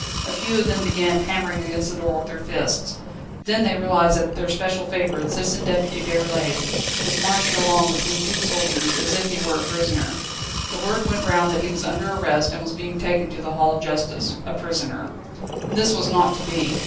A few of them began hammering against the door with their fists; then they realised that their special favourite, Citizen Deputy Déroulède, was marching along between two soldiers, as if he were a prisoner. The word went round that he was under arrest, and was being taken to the Hall of Justice a prisoner. This was not to be.